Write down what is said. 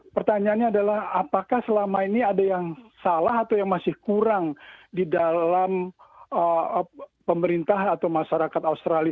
pertanyaannya adalah apakah selama ini ada yang salah atau yang masih kurang di dalam pemerintah atau masyarakat australia